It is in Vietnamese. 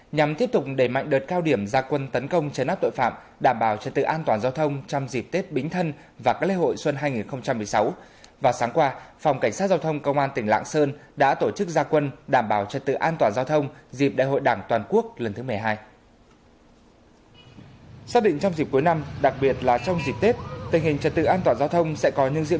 nhằm tiếp tục đẩy mạnh đợt cao điểm gia quân tấn công chế nắp tội phạm đảm bảo trật tự an toàn giao thông trong dịp tết bính thân và các lễ hội xuân hai nghìn một mươi sáu vào sáng qua phòng cảnh sát giao thông công an tỉnh lạng sơn đã tổ chức gia quân đảm bảo trật tự an toàn giao thông dịp đại hội đảng toàn quốc lần thứ một mươi hai